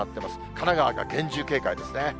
神奈川が厳重警戒ですね。